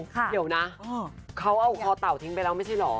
เดี๋ยวนะเขาเอาคอเต่าทิ้งไปแล้วไม่ใช่เหรอ